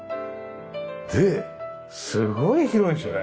ですごい広いですよね。